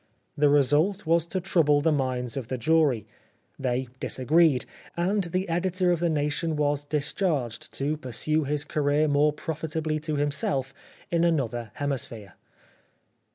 The result was to trouble the minds of the jury ; they disagreed ; and the editor of The Nation was discharged to pursue his career more profitably to himself in another hemisphere.